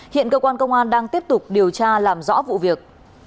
hiện cơ quan công an đang tiếp tục điều tra làm rõ vụ việc